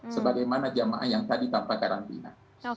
sebagaimana jamaah yang tadi tanpa karantina